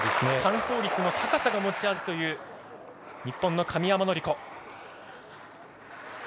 完走率の高さが持ち味という日本の神山則子。